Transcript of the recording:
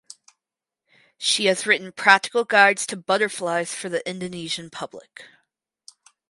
She has written practical guides to butterflies for the Indonesian public.